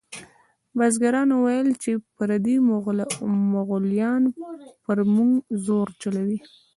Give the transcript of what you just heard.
بزګرانو ویل چې پردي مغولیان پر موږ زور چلوي.